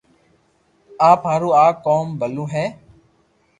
آپ ھارو آ ڪوم ڀلو ھي